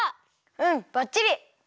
うんばっちり！